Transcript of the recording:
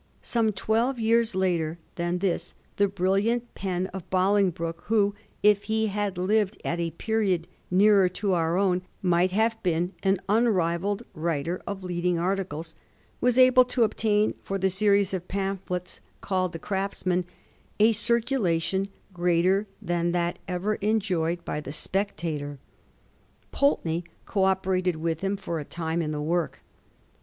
Some twelve years later than this the brilliant pen of Bolingbroke who, if he had lived at a period nearer to our own, might have been an unrivalled writer of leading articles, was able to obtain for the series of pamphlets called *The Craftsman ' a circulation greater than that ever enjoyed Digiti zed by Google fmMSjLMarm 1714 MALBROUOK DE RETOUR. 69 by the * Spectator/ Pulteney co operated with him for a time in the work.